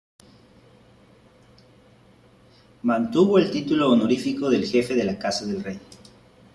Mantuvo el título honorífico de Jefe de la Casa del Rey.